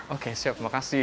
oke siap terima kasih